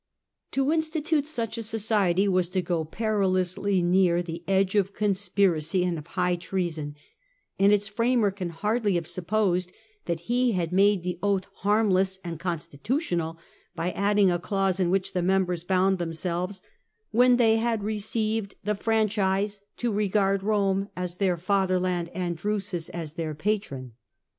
To institute such a society was to go perilously near the edge of conspiracy and high treason, and its framer can hardly have supposed that he had made the oath harmless and constitutional by adding a clause in which the mem bers bound themselves, "when they had received the io8 FEOM THE GRACCHI TO SULLA franchise, to regard Rome as their fatherland and Dnisns as their patron.